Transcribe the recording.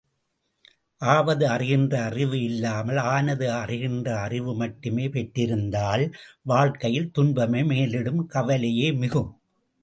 ஆவது அறிகின்ற அறிவு இல்லாமல் ஆனது அறிகின்ற அறிவுமட்டுமே பெற்றிருந்தால் வாழ்க்கையில் துன்பமே மேலிடும் கவலையே மிகும்.